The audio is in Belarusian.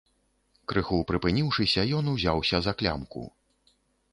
Крыху прыпыніўшыся, ён узяўся за клямку.